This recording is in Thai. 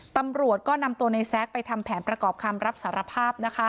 ตำรวจก็นำตัวในแซคไปทำแผนประกอบคำรับสารภาพนะคะ